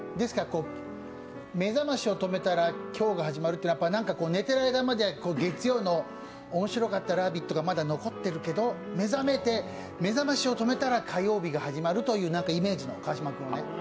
目覚ましを止めたら今日が始まるというのは寝てるまで月曜の面白かった「ラヴィット！」が残ってるけど目覚めて、目覚ましを止めたら火曜日が始まるというイメージの川島君。